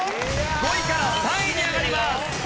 ５位から３位に上がります。